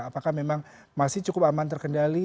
apakah memang masih cukup aman terkendali